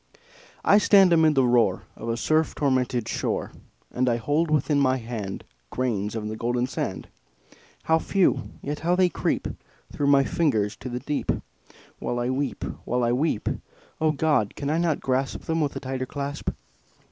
I stand amid the roar Of a surf tormented shore, And I hold within my hand Grains of the golden sand How few! yet how they creep Through my fingers to the deep, While I weep while I weep! O God! can I not grasp Them with a tighter clasp?